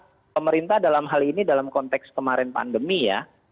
saya rasa semua pemerintah dalam hal ini dalam konteks kemarin pandemi ya